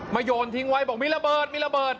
มายนทิ้งไว้บอกมีระเบิด